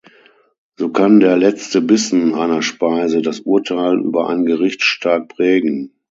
So kann der letzte Bissen einer Speise das Urteil über ein Gericht stark prägen.